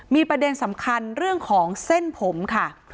มีประเด็นสำคัญเรื่องของเส้นผมค่ะ